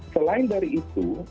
selain dari itu